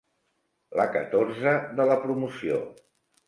La catorze de la promoció.